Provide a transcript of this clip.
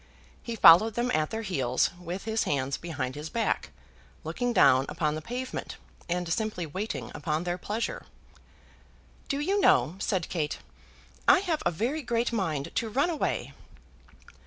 He followed them at their heels, with his hands behind his back, looking down upon the pavement and simply waiting upon their pleasure. "Do you know," said Kate, "I have a very great mind to run away."